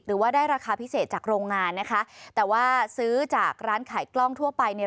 หรือว่าได้ราคาพิเศษจากโรงงานนะคะแต่ว่าซื้อจากร้านขายกล้องทั่วไปเนี่ย